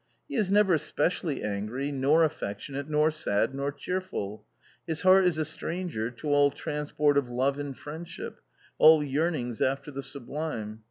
He is never specially angry, nor affectionate, nor sad, nor cheerful. His heart is a stranger to all transport of love and friendship, all yearnings after the sublime.